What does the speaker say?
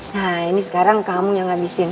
nah ini sekarang kamu yang ngabisin